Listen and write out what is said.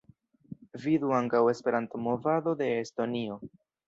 Vidu ankaŭ Esperanto-movado de Estonio.